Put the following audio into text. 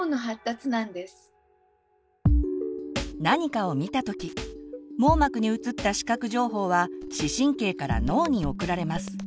何かを見た時網膜にうつった視覚情報は視神経から脳に送られます。